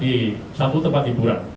di satu tempat hiburan